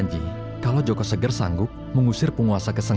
tidak papa aku tidak mau